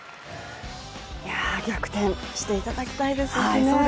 逆転していただきたいですね。